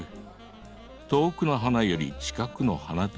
遠くの花より近くの花だ。